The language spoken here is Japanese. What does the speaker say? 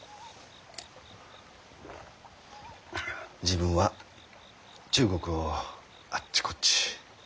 自分は中国をあっちこっち。